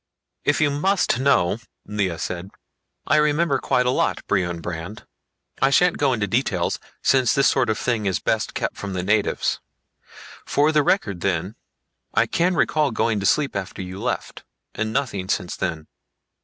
"If you must know," Lea said, "I remember quite a lot, Brion Brandd. I shan't go into details, since this sort of thing is best kept from the natives. For the record then, I can recall going to sleep after you left. And nothing since then.